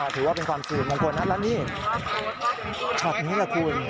ถือว่าเป็นความสิริมงคลนะแล้วนี่ช็อตนี้แหละคุณ